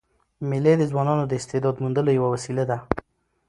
مېلې د ځوانانو د استعداد موندلو یوه وسیله ده.